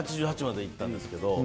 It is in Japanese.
８８までいったんですけど。